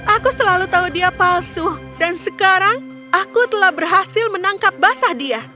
aku selalu tahu dia palsu dan sekarang aku telah berhasil menangkap basah dia